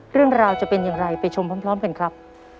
เรื่องราวจะเป็นอย่างไรไปชมพร้อมกันครับ